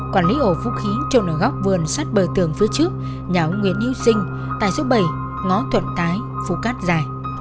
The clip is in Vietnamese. quản lý ổ vũ khí trôn ở góc vườn sát bờ tường phía trước nhà ông nguyễn yêu sinh tài xuất bảy ngó thuận tái phú cát giải